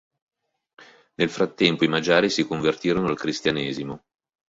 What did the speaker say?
Nel frattempo i magiari si convertirono al Cristianesimo.